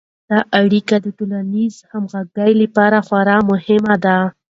دا اړیکې د ټولنیز همغږي لپاره خورا مهمې دي.